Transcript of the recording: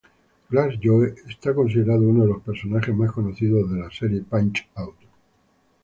Glass Joe es considerado uno de los personajes más conocidos de la serie Punch-Out!